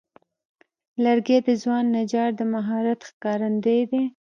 لرګی د ځوان نجار د مهارت ښکارندوی دی.